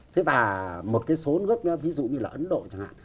thế và một cái số nước ví dụ như là ấn độ chẳng hạn